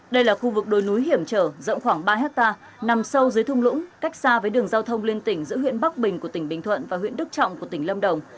đây là khu vực đồi núi hiểm trở rộng khoảng ba hectare nằm sâu dưới thung lũng cách xa với đường giao thông liên tỉnh giữa huyện bắc bình của tỉnh bình thuận và huyện đức trọng của tỉnh lâm đồng